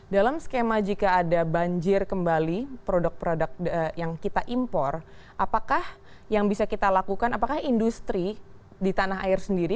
dalam skema jika ada banjir kembali produk produk yang kita impor apakah yang bisa kita lakukan apakah industri di tanah air sendiri